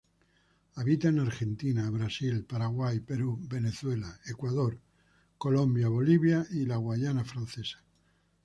Habita en Argentina, Brasil, Paraguay, Perú, Venezuela, Ecuador, Colombia, Bolivia y la Guayana Francesa.